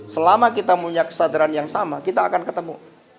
selama kita punya kesadaran yang sama kita akan ketemu